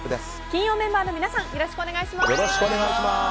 金曜メンバーの皆さんよろしくお願いします。